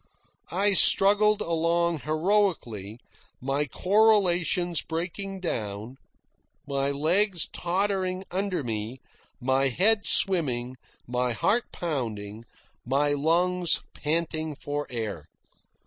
I struggled along heroically, my correlations breaking down, my legs tottering under me, my head swimming, my heart pounding, my lungs panting for air.